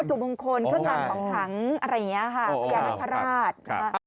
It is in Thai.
วัตถุบงคลข้างหลังหลังหลังอะไรเนี่ยค่ะอย่างน้อยพระราช